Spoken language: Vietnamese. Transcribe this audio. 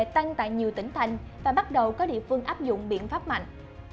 tăng tại nhiều tỉnh thành và bắt đầu có địa phương áp dụng biện pháp mạnh